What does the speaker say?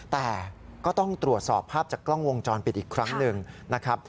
แต่ก็ต้องตรวจสอบภาพจากกล้องวงจรปิดอีกครั้งหนึ่งนะครับ